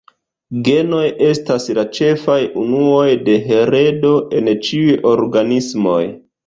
Genoj estas la ĉefaj unuoj de heredo en ĉiuj organismoj.